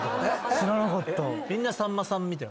知らなかった。